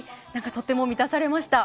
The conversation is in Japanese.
とても満たされました。